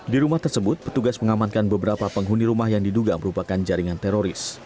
di rumah tersebut petugas mengamankan beberapa penghuni rumah yang diduga merupakan jaringan teroris